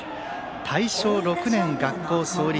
大正６年、学校創立。